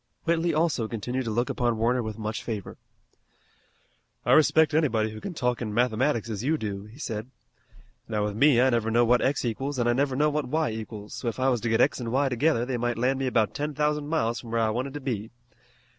Whitley also continued to look upon Warner with much favor. "I respect anybody who can talk in mathematics as you do," he said. "Now with me I never know what x equals an' I never know what y equals, so if I was to get x an' y together they might land me about ten thousand miles from where I wanted to be.